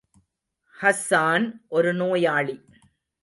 ஹஸ்ஸான் ஒரு நோயாளி.